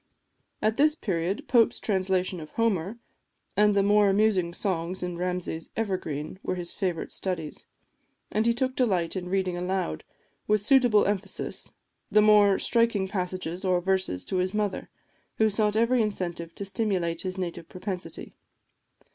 At this period, Pope's translation of Homer, and the more amusing songs in Ramsay's "Evergreen," were his favourite studies; and he took delight in reading aloud, with suitable emphasis, the more striking passages, or verses, to his mother, who sought every incentive to stimulate his native propensity.